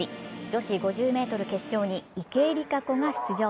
女子５０ｍ決勝に池江璃花子が出場。